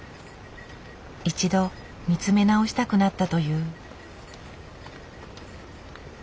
一度見つめ直したくなったという。